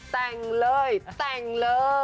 แต่งเลยแต่งเลย